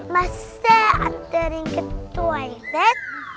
masih aterin ke toilet